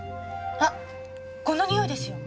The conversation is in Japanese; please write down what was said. あっこのにおいですよ。